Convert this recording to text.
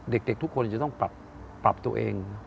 เด็กทุกคนจะต้องปรับตัวเอง